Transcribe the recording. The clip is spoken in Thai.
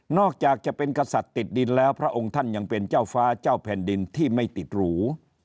อกจากจะเป็นกษัตริย์ติดดินแล้วพระองค์ท่านยังเป็นเจ้าฟ้าเจ้าแผ่นดินที่ไม่ติดหรู